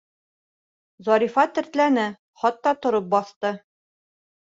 Зарифа тертләне, хатта тороп баҫты.